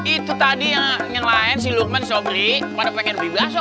itu tadi yang ngelain si lukman sobri pada pengen beli basuh